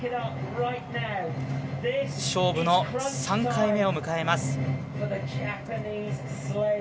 勝負の３回目を迎えます。